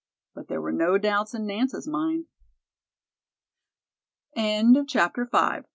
But there were no doubts in Nance's mind. CHAPTER VI.